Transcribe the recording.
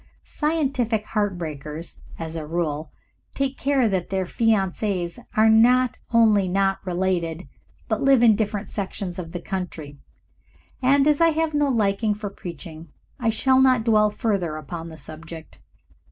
Scientific heart breakers, as a rule, take care that their fiancees are not only not related, but live in different sections of the country, and as I have no liking for preaching I shall not dwell further upon the subject."